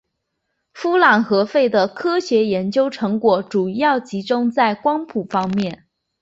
夫琅和费的科学研究成果主要集中在光谱方面。